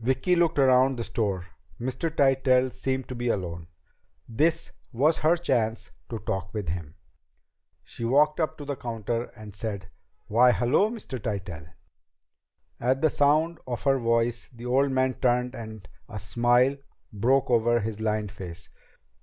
Vicki looked around the store. Mr. Tytell seemed to be alone. This was her chance to talk with him. She walked up to the counter and said, "Why, hello, Mr. Tytell." At the sound of her voice the old man turned and a smile broke over his lined face.